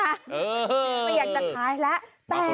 เออผมอยากนับขายแล้ว